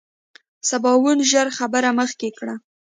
سباوون ژر خبره مخکې کړه.